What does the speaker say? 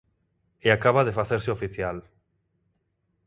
E acaba de facerse oficial.